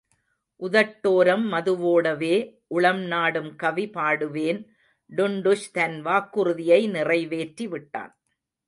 உதட்டோரம் மதுவோடவே உளம் நாடும் கவி பாடுவேன் டுன்டுஷ் தன் வாக்குறுதியை நிறைவேற்றி விட்டான்.